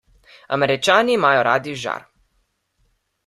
Američani imajo radi žar.